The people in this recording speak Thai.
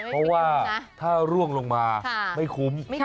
เพราะว่าถ้าร่วงลงมาไม่คุ้ม